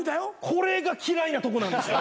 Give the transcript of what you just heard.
これが嫌いなとこなんですよ。